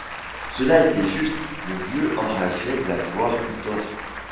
Cela était juste, le vieux enrageait d’avoir eu tort.